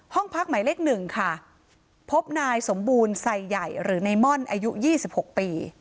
ห้องพักหมายเลขหนึ่งค่ะพบนายสมบูรณ์ใส่ใหญ่หรือในม่อนอายุ๒๖ปี